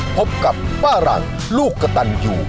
พบกับป้าหลังลูกกระตันอยู่